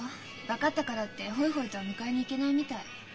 分かったからってホイホイとは迎えに行けないみたい。